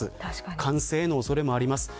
感染への恐れもあります。